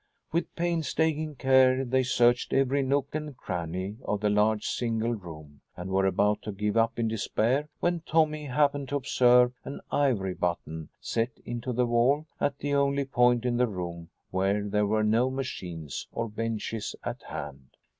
With painstaking care they searched every nook and cranny of the large single room and were about to give up in despair when Tommy happened to observe an ivory button set into the wall at the only point in the room where there were no machines or benches at hand.